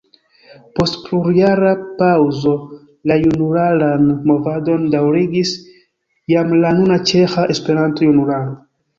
Post plurjara paŭzo la junularan movadon daŭrigis jam la nuna Ĉeĥa Esperanto-Junularo.